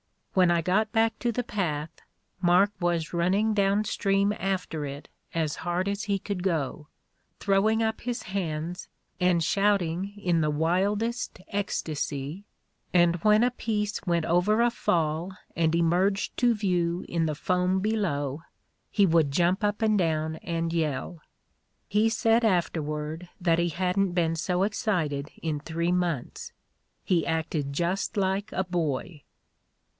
When T got back to the path Mark was running down stream after it as hard as he could go, throwing up his hands and shouting in the wildest ecstacy, and when a piece went over a fall and emerged to view in the foam below he would jump up and down and yell. He said after ward that he hadn't been so excited in three months. He acted just like a boy."